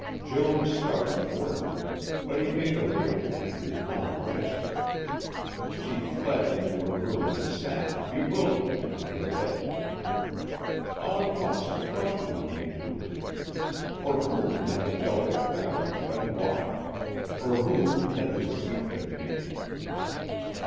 Joan started toward him, but he made a wicked and repellent gesture. She fled into her room and sat, bewildered, on her bed. All at once the question came to her: for whom had the delicate fabrics been bought, for whom had this suit been made?